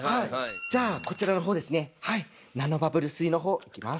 じゃあこちらの方ですねナノバブル水の方いきます。